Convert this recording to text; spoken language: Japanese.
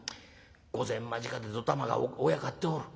御前間近でどたまがおやかっておる。